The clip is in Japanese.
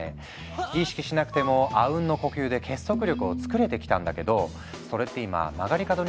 意識しなくても阿吽の呼吸で結束力をつくれてきたんだけどそれって今曲がり角にきているよね。